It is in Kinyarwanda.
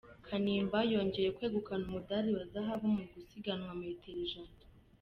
Kanimba yongeye kwegukana umudari wa zahabu mu gusiganwa metero Ijana